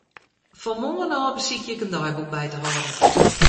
Fan moarn ôf besykje ik in deiboek by te hâlden.